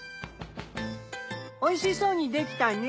おいしそうにできたね！